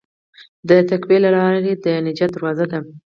د تقوی لاره د نجات دروازه ده.